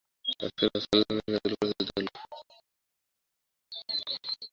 আমার রাজ্যকাল থেকে জগতে নূতন সাল প্রচলিত হবে?